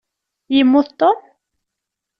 Yemmut Tom?